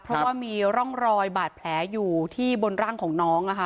เพราะว่ามีร่องรอยบาดแผลอยู่ที่บนร่างของน้อง